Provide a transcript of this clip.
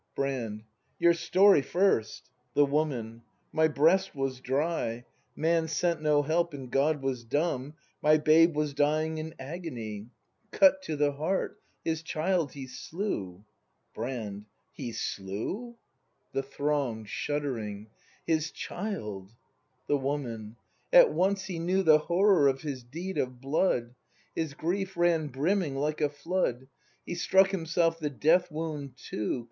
Brand. Your story first. The Woman. My breast was dry; Man sent no help, and God was dumb; My babe was dying in agony; Cut to the heart, — his child he slew! — Brand. He slew ! ACT II] BRAND 63 The Throng. [Shuddering.] His child! The Woman. At once he knew The horror of his deed of blood ! His grief ran brimming like a flood; He struck himself the death wound too.